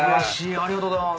ありがとうございます。